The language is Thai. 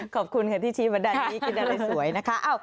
ขอบคุณค่ะที่ชี้บันไดนี้กินอะไรสวยนะคะ